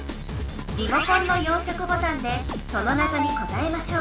リモコンの４色ボタンでそのなぞに答えましょう。